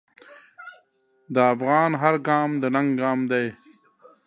د افغان هر ګام د ننګ ګام دی.